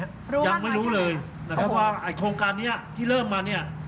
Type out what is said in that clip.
ยังไม่รู้เลยเพราะว่าโครงการนี้ที่เริ่มมา